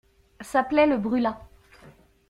Sa plaie le brûla.